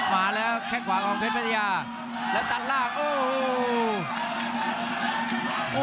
มาแล้วแค่งขวากองเป็นปัญญาและตัดล่างโอ้โห